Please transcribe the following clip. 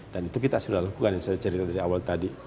dan itu kita sudah lakukan yang saya cerita dari awal tadi